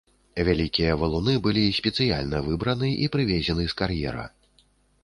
Вялікія валуны былі спецыяльна выбраны і прывезены з кар'ера.